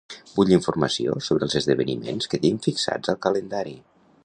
Vull informació sobre els esdeveniments que tinc fixats al calendari.